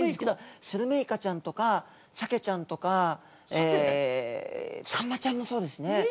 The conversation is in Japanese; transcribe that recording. スルメイカちゃんとかサケちゃんとかえサンマちゃんもそうですね。